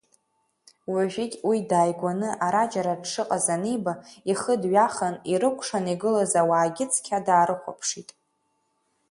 Уажәыгь, уи дааигәаны ара џьара дшыҟаз аниба, ихы дҩахан, ирыкәшан игылаз ауаагьы цқьа даарыхәаԥшит.